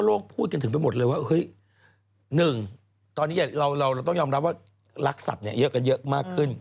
๑เราต้องยอมรับว่ารักษตรเยอะกันเยอะมากขึ้น